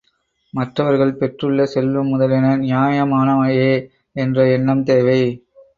மற்றவர்கள் பெற்றுள்ள செல்வம் முதலியன நியாயமானவையே என்ற எண்ணம் தேவை.